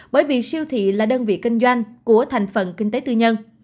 bởi vì siêu thị là đơn vị kinh doanh của thành phần kinh tế tư nhân